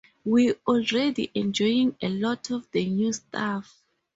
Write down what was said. We're already enjoying a lot of the new stuff.